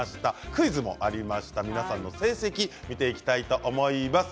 クイズありました皆さんの成績を見ていきたいと思います。